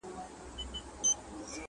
o بد مه کوه، بد به نه در رسېږي٫